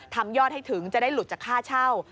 ยอดให้ถึงจะได้หลุดจากค่าเช่า